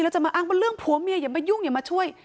แล้วจะมาอ้างว่าเรื่องผัวเมียอย่ามายุ่งอย่ามาช่วย